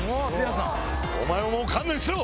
お前ももう観念しろ！